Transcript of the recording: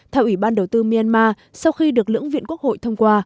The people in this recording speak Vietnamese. theo ủy ban đầu tư myanmar sau khi được lưỡng viện quốc hội thông qua